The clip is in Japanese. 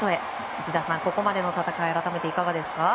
内田さん、ここまでの戦い改めていかがですか？